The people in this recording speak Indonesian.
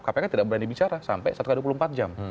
kpk tidak berani bicara sampai satu x dua puluh empat jam